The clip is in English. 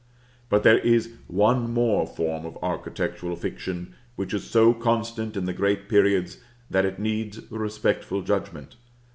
But there is one more form of architectural fiction, which is so constant in the great periods that it needs respectful judgment.